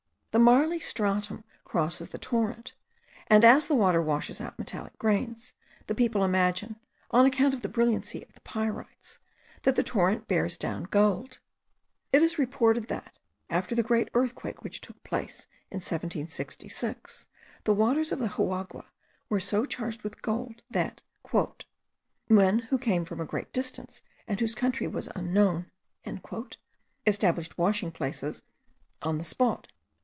The marly stratum crosses the torrent; and, as the water washes out metallic grains, the people imagine, on account of the brilliancy of the pyrites, that the torrent bears down gold. It is reported that, after the great earthquake which took place in 1766, the waters of the Juagua were so charged with gold that "men who came from a great distance, and whose country was unknown," established washing places on the spot.